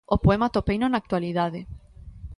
O poema atopeino na actualidade.